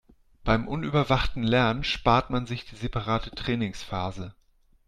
Beim unüberwachten Lernen spart man sich die separate Trainingsphase.